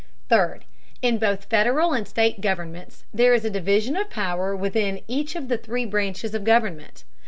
Third, in both Federal and state governments there is a division of power within each of the three branches of government.